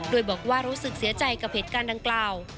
โดยบอกว่ารู้สึกเสียใจกับเหตุการณ์ดังกล่าว